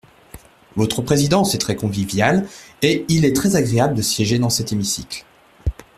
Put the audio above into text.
Votre présidence est très conviviale, et il est très agréable de siéger dans cet hémicycle.